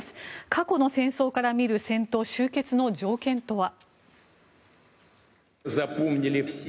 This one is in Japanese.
過去の戦争から見る戦闘終結の条件とは？